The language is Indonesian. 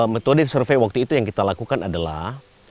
metode survei waktu itu yang kita lakukan adalah